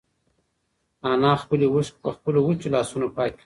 انا خپلې اوښکې په خپلو وچو لاسونو پاکې کړې.